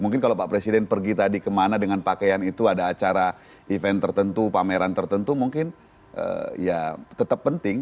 mungkin kalau pak presiden pergi tadi kemana dengan pakaian itu ada acara event tertentu pameran tertentu mungkin ya tetap penting